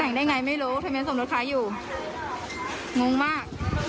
แต่งได้ไงไม่รู้ทะเบียนสมรสค้าอยู่งงมาก